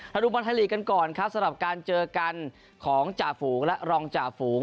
ดูบอลไทยลีกกันก่อนครับสำหรับการเจอกันของจ่าฝูงและรองจ่าฝูง